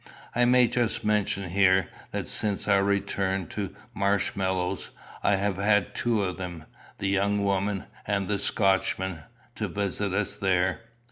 I may just mention here, that since our return to Marshmallows I have had two of them, the young woman and the Scotchman, to visit us there.